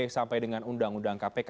sampai dengan undang undang kpk